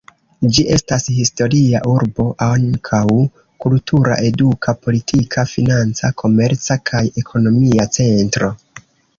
Ĝi estas historia urbo, ankaŭ kultura, eduka, politika, financa, komerca kaj ekonomia centro.